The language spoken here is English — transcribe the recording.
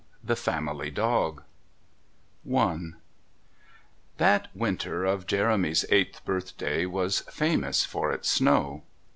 THE FAMILY DOG I That winter of Jeremy's eighth birthday was famous for its snow.